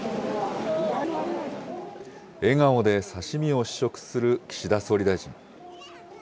笑顔で刺身を試食する岸田総理大臣。